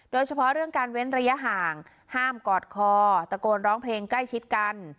โดยเฉพาะเรื่องการเว้นระยะห่างห้ามกอดคอตะโกนร้องเพลงใกล้ชิดกัน